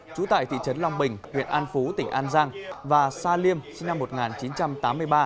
trú tại thị trấn long bình huyện an phú tỉnh an giang và sa liêm sinh năm một nghìn chín trăm tám mươi ba